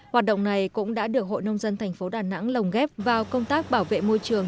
hoạt động này cũng đã được hội nông dân thành phố đà nẵng lồng ghép vào công tác bảo vệ môi trường